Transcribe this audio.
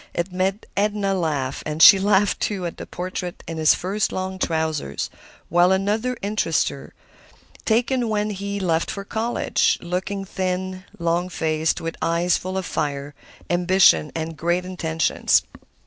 It made Edna laugh, and she laughed, too, at the portrait in his first long trousers; while another interested her, taken when he left for college, looking thin, long faced, with eyes full of fire, ambition and great intentions.